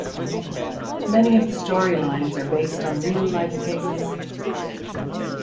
Many of the storylines are based on real-life cases.